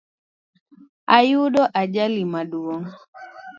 Ayudo ajali maduong